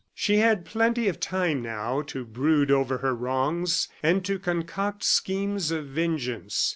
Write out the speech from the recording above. She had plenty of time now to brood over her wrongs, and to concoct schemes of vengeance.